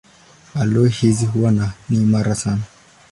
Aloi hizi huwa ni imara sana.